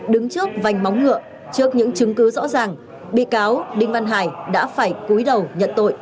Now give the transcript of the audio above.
đứng trước vành móng ngựa trước những chứng cứ rõ ràng bị cáo đinh văn hải đã phải cúi đầu nhận tội